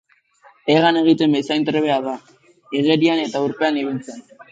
Hegan egiten bezain trebea da igerian eta urpean ibiltzen.